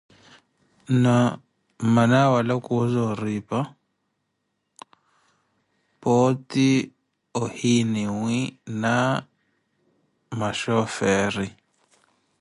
Na mmana awala kuwo zooripa, pooti ohoniwi na maxooferi.